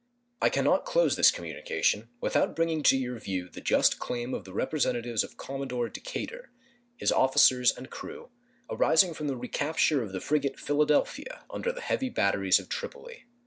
I can not close this communication without bringing to your view the just claim of the representatives of Commodore Decatur, his officers and crew, arising from the recapture of the frigate Philadelphia under the heavy batteries of Tripoli.